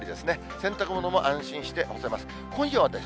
洗濯物も安心して干せます。